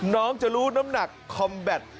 น้องจะรู้น้ำหนักคอมแบต